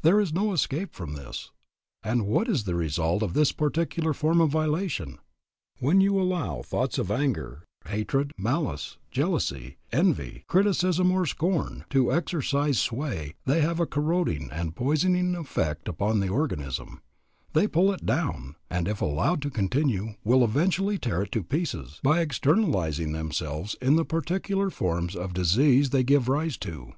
There is no escape from this. And what is the result of this particular form of violation? When you allow thoughts of anger, hatred, malice, jealousy, envy, criticism, or scorn to exercise sway, they have a corroding and poisoning effect upon the organism; they pull it down, and if allowed to continue will eventually tear it to pieces by externalizing themselves in the particular forms of disease they give rise to.